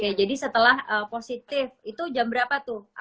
oke jadi setelah positif itu jam berapa tuh